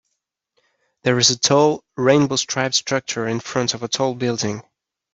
There is a tall, rainbow striped structure in front of a tall building.